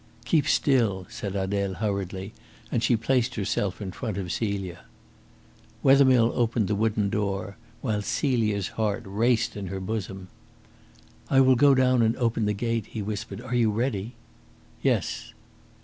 "Keep still!" said Adele hurriedly, and she placed herself in front of Celia. Wethermill opened the wooden door, while Celia's heart raced in her bosom. "I will go down and open the gate," he whispered. "Are you ready?" "Yes."